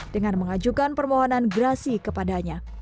dengan mengajukan permohonan grasi kepadanya